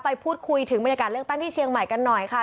ไปพูดคุยถึงบรรยากาศเลือกตั้งที่เชียงใหม่กันหน่อยค่ะ